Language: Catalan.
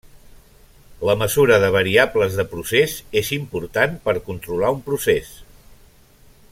La mesura de variables de procés és important per controlar un procés.